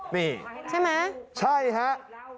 นี่ใช่ไหมใช่ฮะ